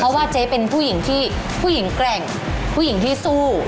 เพราะว่าเจ๊เป็นผู้หญิงที่ผู้หญิงแกร่งผู้หญิงที่สู้